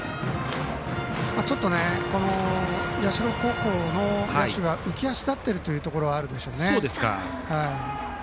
社高校の野手が浮き足立っているというところはあるでしょうね。